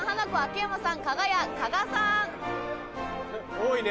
多いね。